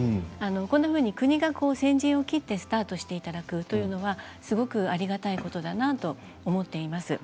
こんなふうに国が先陣を切ってスタートしていただくというのはすごくありがたいことだなと思っています。